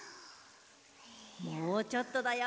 もうちょっとだよ。